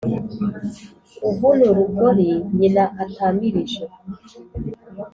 Uvuna urugori nyina atamirije